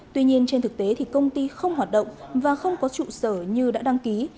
tuy nhiên trên thực tế thì công ty không hoạt động và không có trụ sở như đã đăng ký